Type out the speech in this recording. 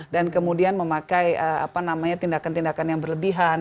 dan kemudian memakai apa namanya tindakan tindakan yang berlebihan